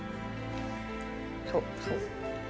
そうそう。